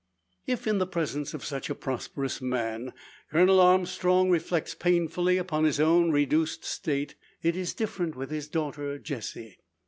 If, in the presence of such a prosperous man, Colonel Armstrong reflects painfully upon his own reduced state, it is different with his daughter Jessie.